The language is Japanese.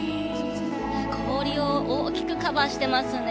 氷を大きくカバーしていますね。